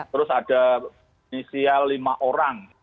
terus ada inisial lima orang